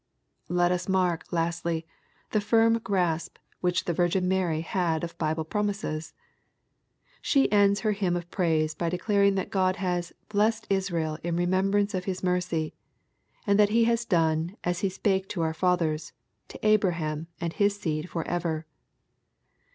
Let us mark, lastlj', the firm grasp which the Virgin Mary had of Bible promises. She ends her hymn of praise by declaring that God has " blessed Israel in re membrance of His mercy," and that He has done ^^ as He spake to our fathers, to Abraham and his seed for ever.''